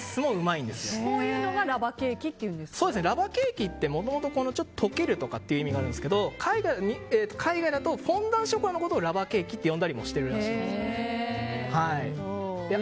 こういうのがラバケーキってもともと溶けるとかって意味があるんですけど海外だとフォンダンショコラのことをラバケーキって呼んだりもしてるらしいんです。